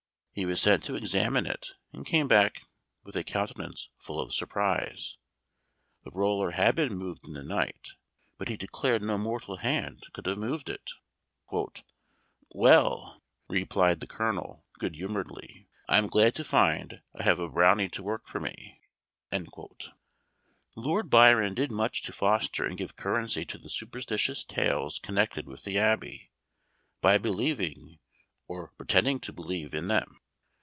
He was sent to examine it, and came back with a countenance full of surprise. The roller had been moved in the night, but he declared no mortal hand could have moved it. "Well," replied the Colonel, good humoredly, "I am glad to find I have a brownie to work for me." Lord Byron did much to foster and give currency to the superstitious tales connected with the Abbey, by believing, or pretending to believe in them.